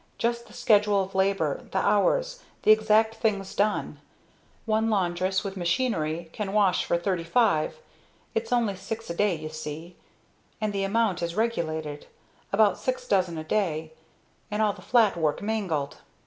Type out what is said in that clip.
Just the schedule of labor the hours the exact things done. One laundress, with machinery, can wash for thirty five, (its only six a day you see), and the amount is regulated; about six dozen a day, and all the flat work mangled.